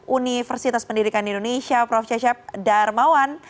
universitas pendidikan indonesia prof cecep darmawan